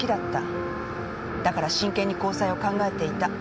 だから真剣に交際を考えていた。